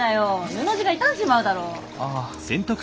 布地が傷んじまうだろう。ああ。